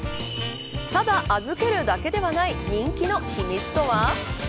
ただ預けるだけではない人気の秘密とは。